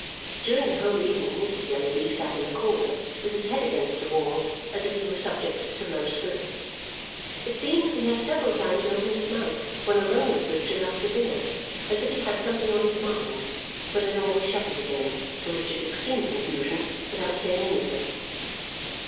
During the whole evening, Mr. Jellyby sat in a corner with his head against the wall as if he were subject to low spirits. It seemed that he had several times opened his mouth when alone with Richard after dinner, as if he had something on his mind, but had always shut it again, to Richard's extreme confusion, without saying anything.